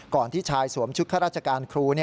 ก่อนที่ชายสวมชุคค่าราชการครู